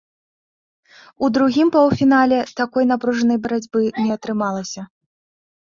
У другім паўфінале такой напружанай барацьбы не атрымалася.